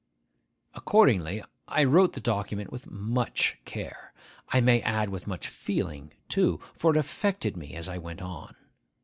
Accordingly, I wrote the document with much care. I may add with much feeling too; for it affected me as I went on.